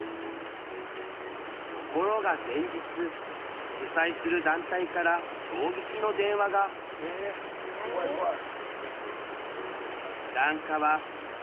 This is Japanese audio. ところが前日主催する団体から衝撃の電話がえ怖い怖い。何？